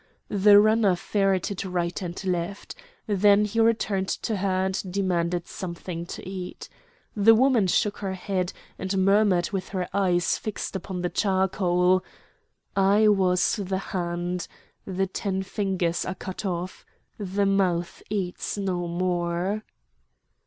The runner ferreted right and left. Then he returned to her and demanded something to eat. The old woman shook her head, and murmured with her eyes fixed upon the charcoal: "I was the hand. The ten fingers are cut off. The mouth eats no more."